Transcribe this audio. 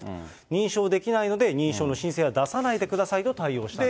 認証できないので、認証の申請は出さないでくださいと対応したと。